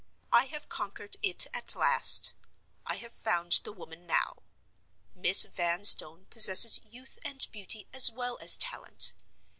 I have conquered it at last; I have found the woman now. Miss Vanstone possesses youth and beauty as well as talent.